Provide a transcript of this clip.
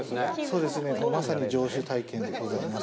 そうですね、まさに城主体験でございます。